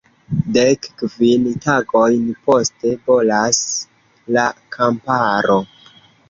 Dek kvin tagojn poste bolas la kamparo.